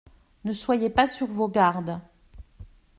Ne soyez pas sur vos gardes.